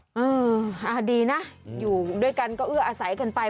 เออดีนะอยู่ด้วยกันก็เอื้ออาศัยกันไป